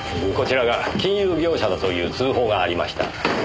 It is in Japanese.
こちらが金融業者だという通報がありました。